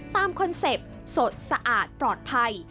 คอนเซ็ปต์สดสะอาดปลอดภัย